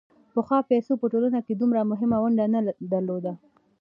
پخوا پیسو په ټولنه کې دومره مهمه ونډه نه درلوده